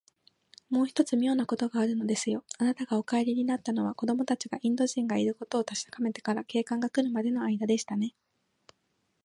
もう一つ、みょうなことがあるのですよ。あなたがお帰りになったのは、子どもたちがインド人がいることをたしかめてから、警官がくるまでのあいだでしたね。